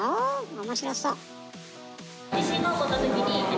面白そう。